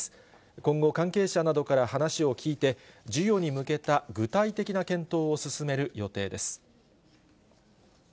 今後、関係者などから話を聞いて、授与に向けた具体的な検討を進める予定です。